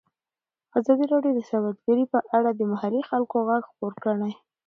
ازادي راډیو د سوداګري په اړه د محلي خلکو غږ خپور کړی.